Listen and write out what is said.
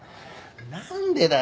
何でだよ！